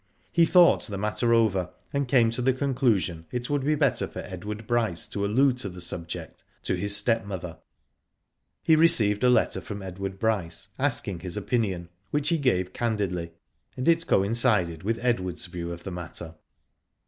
He thought the matter over, and came to the conclusion it would be better for Edward Bryce to allude to the subject to his stepmother. He received a letter from Edward Bryce, asking his opinion, which he gave candidly, and it coin cided with Edward's view of the matter.